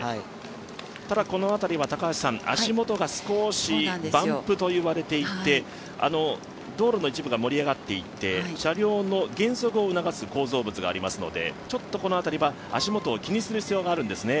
ただ、この辺りは高橋さん足元が少しバンプといわれていて道路の一部が盛り上がっていて車両の減速を促す構造物がありますのでちょっと、この辺りは足元を気にする必要があるんですね。